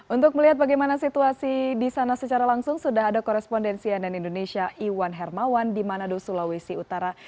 untuk melihat bagaimana situasi di sana secara langsung sudah ada korespondensi ann indonesia iwan hermawan di manado sulawesi utara